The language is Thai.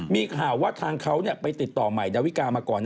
มีข่าวว่าทางเขาไปติดต่อใหม่ดาวิกามาก่อน